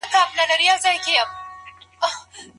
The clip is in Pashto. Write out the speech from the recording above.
د جرګي غړو به د هیواد د پانګې د ساتني هڅه کوله.